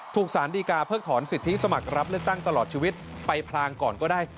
สารดีกาเพิกถอนสิทธิสมัครรับเลือกตั้งตลอดชีวิตไปพลางก่อนก็ได้